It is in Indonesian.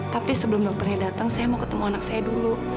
tapi sebelum dokternya datang saya mau ketemu anak saya dulu